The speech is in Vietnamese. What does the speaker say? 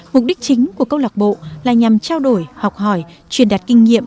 mục đích chính của câu lạc bộ là nhằm trao đổi học hỏi truyền đạt kinh nghiệm